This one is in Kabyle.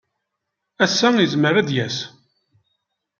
Ass-a, yezmer ad d-yas.